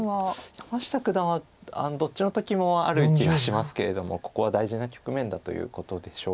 山下九段はどっちの時もある気がしますけれどもここは大事な局面だということでしょう。